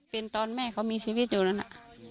เป็นตอนแม่เขามีเสียชีวิตอยู่แล้วน่ะ